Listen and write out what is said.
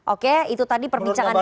oke itu tadi perbincangan kita